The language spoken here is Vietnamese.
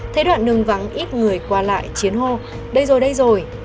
thấy đoạn đường vắng ít người qua lại chiến hô đây rồi đây rồi